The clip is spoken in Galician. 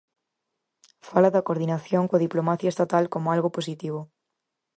Fala da coordinación coa diplomacia estatal como algo positivo.